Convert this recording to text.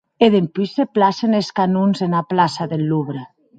E dempús se placen es canons ena plaça deth Louvre.